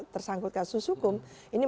tersangkut kasus hukum ini